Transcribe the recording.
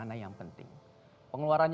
terima kasih penulti